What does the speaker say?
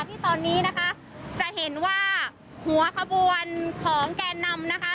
ที่ตอนนี้นะคะจะเห็นว่าหัวขบวนของแกนนำนะคะ